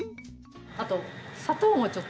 あと。